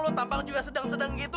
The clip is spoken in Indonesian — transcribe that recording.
lu tampang juga sedang sedang gitu